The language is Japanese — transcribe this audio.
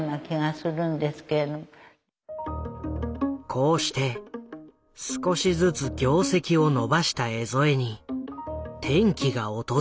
こうして少しずつ業績を伸ばした江副に転機が訪れる。